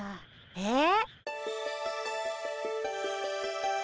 えっ？